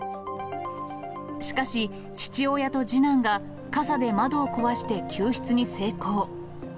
しかし、父親と次男が傘で窓を壊して救出に成功。